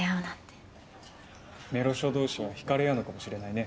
メロしょ同士は引かれ合うのかもしれないね。